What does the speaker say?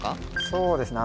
そうですね